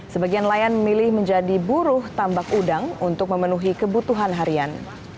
sebagian nelayan memilih menjadi buruh tambak udang untuk memenuhi kebutuhan harian